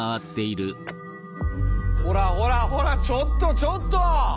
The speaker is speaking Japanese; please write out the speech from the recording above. ほらほらほらちょっとちょっと！